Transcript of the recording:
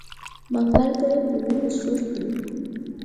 منګل به یې په وینو سور کړي.